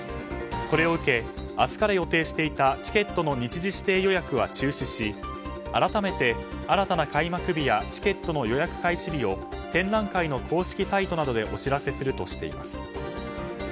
これを受け明日から予定していたチケットの日時指定予約は中止し改めて、新たな開幕日やチケットの予約開始日を展覧会の公式サイトなどでお知らせするとしています。